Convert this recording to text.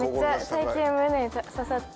最近胸に刺さって。